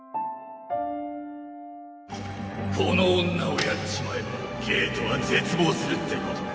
この女をやっちまえばゲートは絶望するってことか。